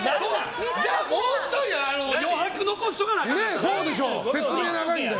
じゃあもうちょい余白残しとかなあかん。